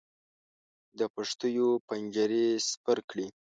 د پښتیو پنجرې سپر کړې.